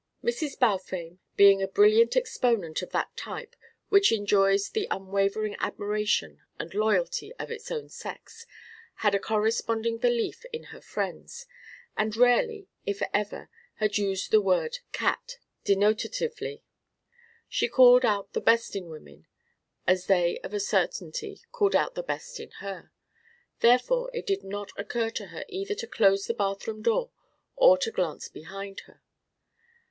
Mrs. Balfame, being a brilliant exponent of that type which enjoys the unwavering admiration and loyalty of its own sex, had a corresponding belief in her friends, and rarely if ever had used the word cat denotatively. She called out the best in women as they of a certainty called out the best in her. Therefore, it did not occur to her either to close the bathroom door or to glance behind her.